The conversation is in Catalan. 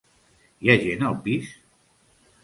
Hi ha gent al pis?